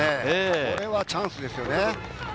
これはチャンスですよね。